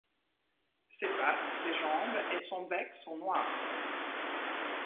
Ses pattes, ses jambes et son bec sont noirs.